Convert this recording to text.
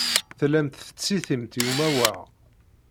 Tellamt tettsitimt i umawaɣ.